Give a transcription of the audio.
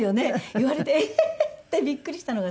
言われてええー！ってびっくりしたのが最初でした。